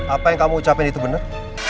apa yang kamu ucapin itu benar